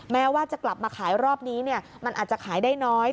แม้ว่าจะกลับมาขายรอบนี้มันอาจจะขายได้น้อย